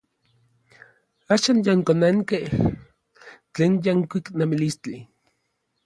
Axan yankonankej tlen yankuik nemilistli.